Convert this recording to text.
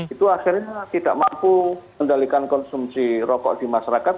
itu akhirnya tidak mampu mendalikan konsumsi rokok di masyarakat